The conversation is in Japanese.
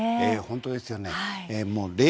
本当ですよね。